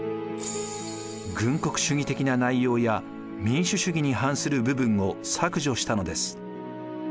軍国主義的な内容や民主主義に反する部分を削除したのです。